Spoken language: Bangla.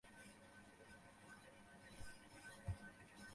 মানুষের সঙ্গে মানুষের আচরণে দেখা দেয় নানা ধরনের অপ্রীতিকর অসংগতি।